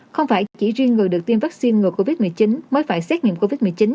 không phải chỉ riêng người được tiêm vaccine ngừa covid một mươi chín mới phải xét nghiệm covid một mươi chín